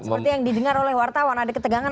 seperti yang didengar oleh wartawan ada ketegangan